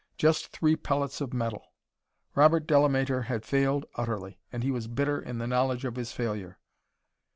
Just three pellets of metal. Robert Delamater had failed utterly, and he was bitter in the knowledge of his failure.